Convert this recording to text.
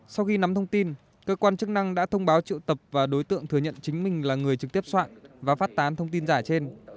sau khi nắm thông tin cơ quan chức năng đã thông báo triệu tập và đối tượng thừa nhận chính mình là người trực tiếp soạn và phát tán thông tin giả trên